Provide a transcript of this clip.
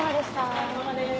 お疲れさまです。